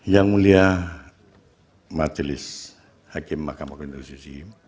yang mulia majelis hakim mahkamah kementerian sisi